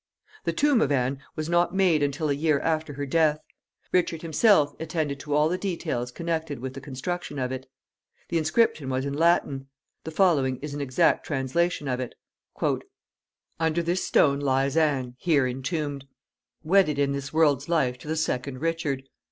The tomb of Anne was not made until a year after her death. Richard himself attended to all the details connected with the construction of it. The inscription was in Latin. The following is an exact translation of it: "Under this stone lies Anne, here entombed, Wedded in this world's life to the second Richard.